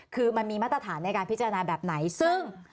คือมันมีมาตรฐานในการพิจารณาแบบไหนซึ่ง